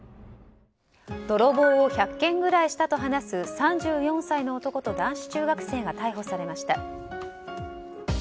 泥棒を１００件ぐらいしたと話す３４歳の男と男子中学生が逮捕されました。